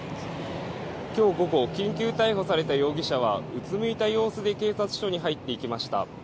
きょう午後、緊急逮捕された容疑者はうつむいた様子で警察署に入っていきました。